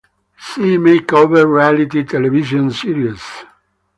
See makeover reality television series.